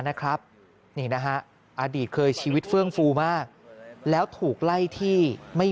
นะครับนี่นะฮะอดีตเคยชีวิตเฟื่องฟูมากแล้วถูกไล่ที่ไม่